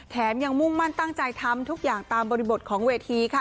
แถมยังมุ่งมั่นตั้งใจทำทุกอย่างตามบริบทของเวทีค่ะ